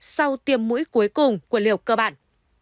sau tiêm mũi cuối cùng của liều cơ bản